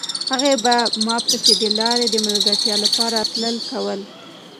هغې په ما پسې د لارې د ملګرتیا لپاره راتلل کول.